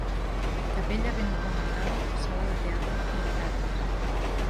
Capella ben ornamentada, sala de teatre i habitatges.